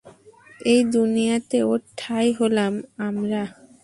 এই দুনিয়াতে ওর ঠাই হলাম আমরা।